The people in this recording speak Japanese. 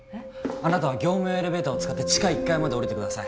あなたは業務用エレベーターを使って地下１階まで降りてください。